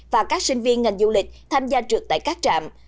và các sinh viên ngành du lịch tham gia trực tại các trạm